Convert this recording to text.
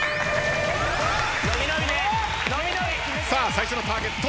最初のターゲット。